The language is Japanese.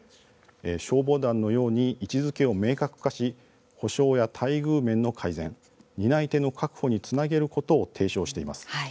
消防団のように位置づけを明確化し、補償や待遇面の改善担い手の確保につなげることを提唱しています。